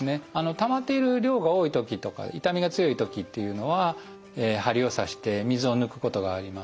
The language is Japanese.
たまっている量が多い時とか痛みが強い時っていうのは針を刺して水を抜くことがあります。